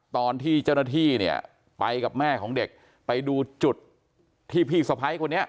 ตอนที่เจ้าหน้าที่เนี่ยไปกับแม่ของเด็กไปดูจุดที่พี่สะพ้ายคนนี้